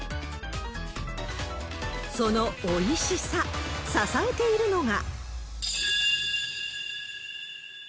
そのおいしさ、支えているのが。